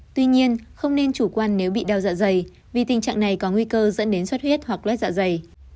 tuy nhiên không nên chủ quan nếu bị đau dạ dày vì tình trạng này có nguy cơ dẫn đến xuất huyết hoặc lét dạ dày